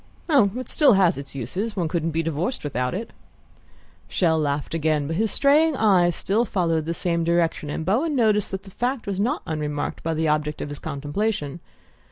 "Oh, it still has its uses. One couldn't be divorced without it." Chelles laughed again; but his straying eye still followed the same direction, and Bowen noticed that the fact was not unremarked by the object of his contemplation.